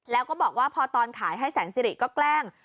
แล้วก็บอกว่าพอตอนขายให้แสนสิริก็แกล้ง